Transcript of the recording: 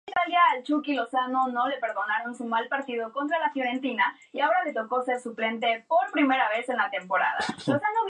Su enfoque fue mucho más allá de un típico proyecto de identidad corporativa.